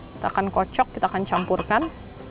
kita akan kocok kita akan campurkan